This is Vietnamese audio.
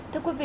thưa quý vị